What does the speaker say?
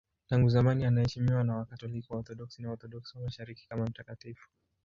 Tangu zamani anaheshimiwa na Wakatoliki, Waorthodoksi na Waorthodoksi wa Mashariki kama mtakatifu.